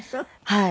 はい。